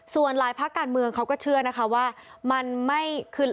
ส่วนรายภักรรณ์เมืองเขาก็เชื่อว่ามันไม่ขึ้น